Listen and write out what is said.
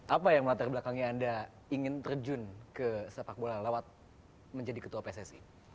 apa yang melatar belakangnya anda ingin terjun ke sepak bola lewat menjadi ketua pssi